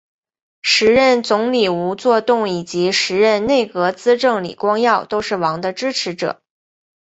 时任总理吴作栋以及时任内阁资政李光耀都是王的支持者。